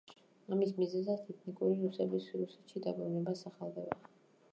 ამის მიზეზად ეთნიკური რუსების რუსეთში დაბრუნება სახელდება.